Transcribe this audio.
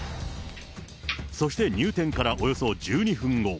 そして入店からおよそ１２分後。